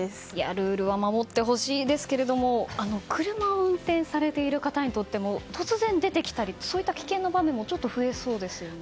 ルールは守ってほしいですが車を運転されている方にとっても突然出てきたりという危険な場面も増えそうです。